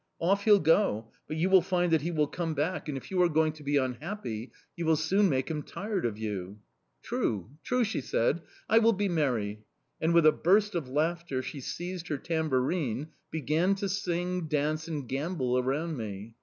Off he'll go, but you will find that he will come back; and, if you are going to be unhappy, you will soon make him tired of you.' "'True, true!' she said. 'I will be merry.' "And with a burst of laughter, she seized her tambourine, began to sing, dance, and gambol around me.